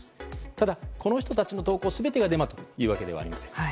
ただ、この人たちの投稿全てがデマというわけではありません。